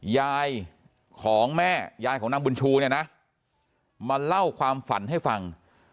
ยายของแม่ยายของนางบุญชูเนี่ยนะมาเล่าความฝันให้ฟัง